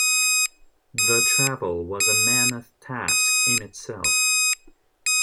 The travel was a mammoth task in itself.